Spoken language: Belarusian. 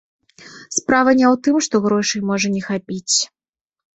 Справа не ў тым, што грошай можа не хапіць.